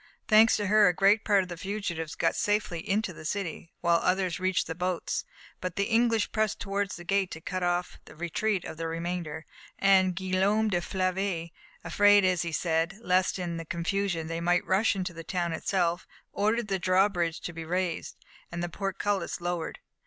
Thanks to her a great part of the fugitives got safely into the city, while others reached the boats; but the English pressed towards the gate to cut off the retreat of the remainder, and Guillaume de Flavy, afraid, as he said, lest in the confusion they might rush into the town itself, ordered the draw bridge to be raised, and the portcullis lowered.